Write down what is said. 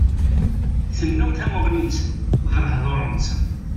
Tennum tamuɣli-nsen d lehdur-nsen.